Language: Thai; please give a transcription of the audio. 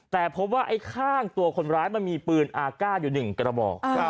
แต่พบว่าไอ้ข้างตัวคนร้ายมันมีปืนอากาศอยู่๑กระบอก